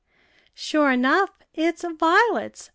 "Sure enough, it's Violet's!"